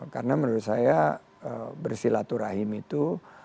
karena menurut saya bersilaturahim itu